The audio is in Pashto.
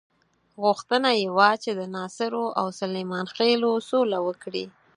غوښتنه یې وه چې د ناصرو او سلیمان خېلو سوله وکړي.